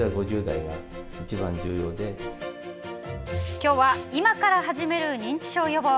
今日は今から始める認知症予防！